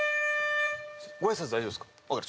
ご挨拶大丈夫ですか？